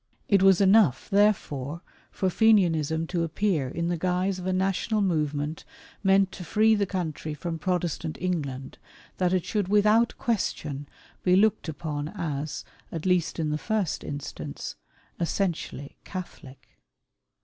It was enough, therefore, for Fenianism to appear in the guise of a national movement meant to free the country from Protestant England, that it should with out question be looked upon as — at least in the first instance — essentially Catholic.